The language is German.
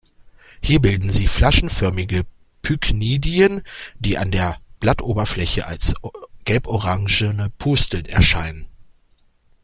Hier bilden sie flaschenförmige Pyknidien, die an der Blattoberfläche als gelb-orange Pusteln erscheinen.